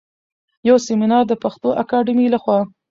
يو سمينار د پښتو اکاډمۍ لخوا